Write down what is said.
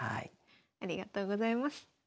ありがとうございます。